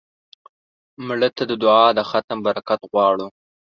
مړه ته د دعا د ختم برکت غواړو